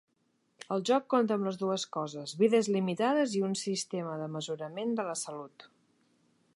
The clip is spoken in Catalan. El joc compta amb les dues coses, vides limitades i un sistema de mesurament de la salut.